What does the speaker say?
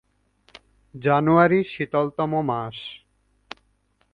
জানুয়ারি শীতলতম মাস।